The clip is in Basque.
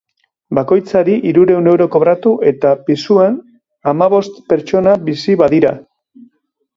Bakoitzari hirurehun euro kobratu, eta pisuan hamabost pertsona bizi badira.